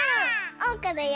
おうかだよ！